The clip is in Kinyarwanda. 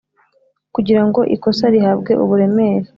kugira ngo ikosa rihabwe uburemere